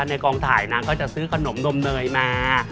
ในกองถ่ายนางก็จะซื้อขนมนมเนยมา